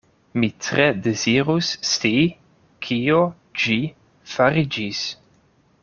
Mi tre dezirus scii, kio ĝi fariĝis.